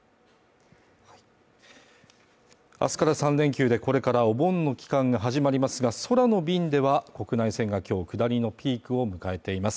明日から３連休でこれからお盆の期間が始まりますが空の便では国内線が今日下りのピークを迎えています